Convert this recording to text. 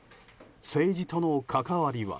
政治との関わりは。